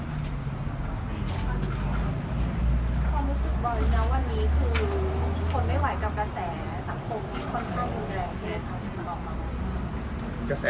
ความรู้สึกบ่อยนะวันนี้คือทนไม่ไหวกับกระแสสังคมที่ค่อนข้างรุนแรงใช่ไหมคะ